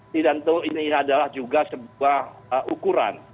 tidak tentu ini adalah juga sebuah ukuran